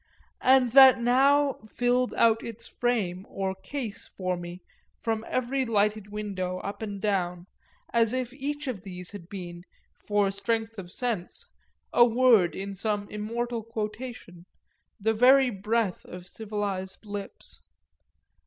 and that now filled out its frame or case for me from every lighted window, up and down, as if each of these had been, for strength of sense, a word in some immortal quotation, the very breath of civilised lips.